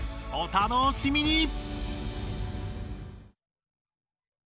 おたのしみに！